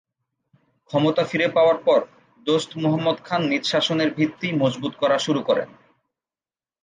ক্ষমতা ফিরে পাওয়ার পর দোস্ত মুহাম্মদ খান নিজ শাসনের ভিত্তি মজবুত করা শুরু করেন।